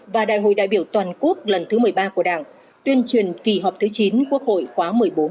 và đại hội đại biểu toàn quốc lần thứ một mươi ba của đảng tuyên truyền kỳ họp thứ chín quốc hội khóa một mươi bốn